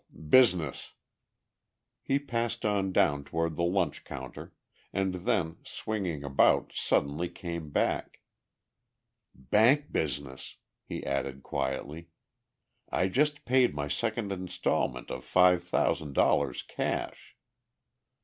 Business." He passed on down toward the lunch counter, and then swinging about suddenly came back. "Bank business," he added quietly. "I just paid my second instalment of five thousand dollars cash!"